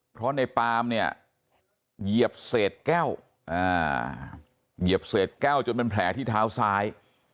เพราะในปามเนี่ยเหยียบเศษแก้วเหยียบเศษแก้วจนเป็นแผลที่เท้าซ้าย